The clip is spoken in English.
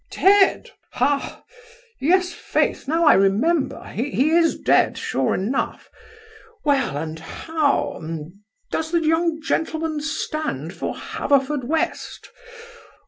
'Dead! how Yes faith! now I remember: he is dead sure enough Well, and how does the young gentleman stand for Haverford West?